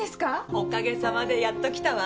おかげさまでやっと来たわ。